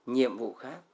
nhiệm vụ khác